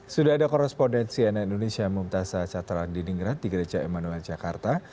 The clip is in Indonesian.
sudah ada korrespondensi anak indonesia mumtazah caterlandi ninggerat di gereja emanuan jakarta